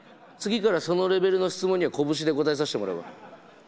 次からはそのレベルの質問にはこぶしで答えさせてもらうよ。